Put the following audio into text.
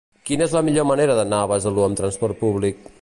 Quina és la millor manera d'anar a Besalú amb trasport públic?